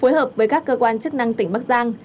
phối hợp với các cơ quan chức năng tỉnh bắc giang